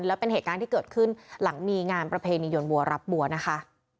แล้วเป็นเหตุการณ์ที่เกิดขึ้นหลังมีงานประเพณียนวัวรับบัวนะคะ